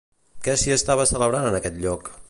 Què s'hi estava celebrant en aquest lloc?